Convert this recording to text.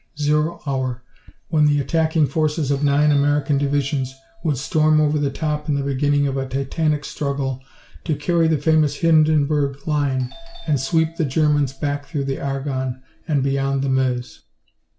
zero hour, when the attacking forces of nine American divisions would storm over the top in the beginning of a titanic struggle to carry the famous Hindenburg Line and sweep the Germans back through the Argonne and beyond the Meuse.